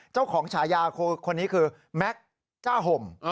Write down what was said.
เจ้าของชายาคนนี้คือแม็คจ้าห่ม